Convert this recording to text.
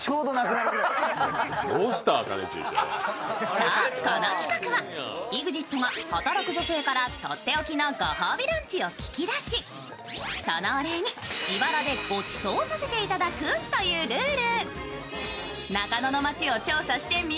そう、この企画はＥＸＩＴが働く女性からとっておきのご褒美ランチを聞き出し、そのお礼に自腹でごちそうさせていただくというルール。